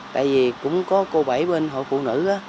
tại vì cũng có cô bảy bên hội phụ nữ